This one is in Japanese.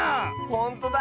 ほんとだ！